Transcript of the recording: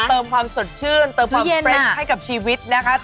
เติมความสดชื่นเติมความเฟรชให้กับชีวิตนะคะ